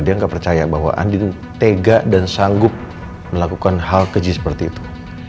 dia gak percaya bahwa andin tega dan sanggup melakukan hal keji seperti itu